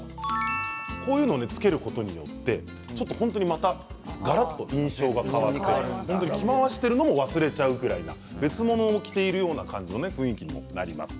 こういうふうにつけることによってまた、がらっと印象が変わる着回しているのも忘れちゃうぐらい別のものを着ているような雰囲気にもなります。